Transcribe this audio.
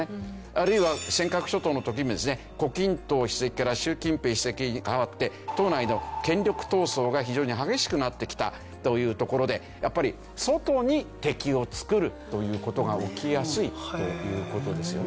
あるいは尖閣諸島の時もですね胡錦濤主席から習近平主席に代わって党内の権力闘争が非常に激しくなってきたというところでやっぱり外に敵を作るという事が起きやすいという事ですよね。